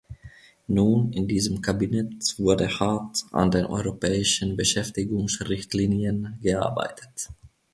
Nun, in diesem Kabinett wurde hart an den europäischen Beschäftigungsrichtlinien gearbeitet.